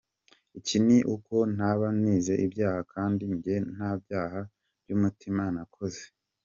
Ikibi ni uko naba nzize ibyaha, kandi njye nta byaha by’umutima nakoze.